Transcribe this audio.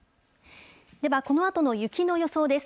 では、このあとの雪の予想です。